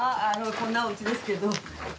こんなお家ですけど。